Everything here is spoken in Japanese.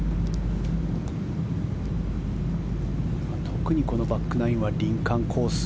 特にこのバックナインは林間コース